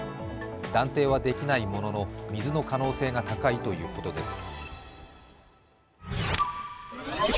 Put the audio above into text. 断定はできないものの、水の可能性が高いということです。